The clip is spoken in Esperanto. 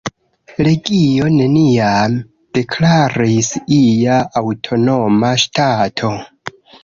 Legio neniam deklaris ia aŭtonoma ŝtato.